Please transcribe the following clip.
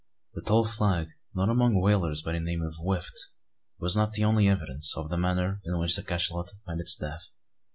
The tall flag, known among whalers by the name of "whift," was not the only evidence of the manner in which the cachalot had met its death.